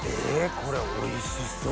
これおいしそ！